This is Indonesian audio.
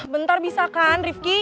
bentar bisa kan rifki